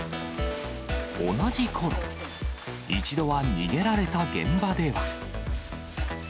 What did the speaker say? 同じころ、一度は逃げられた現場では。